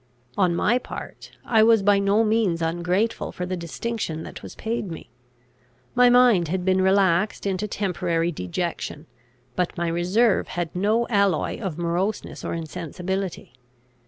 On my part, I was by no means ungrateful for the distinction that was paid me. My mind had been relaxed into temporary dejection, but my reserve had no alloy of moroseness or insensibility.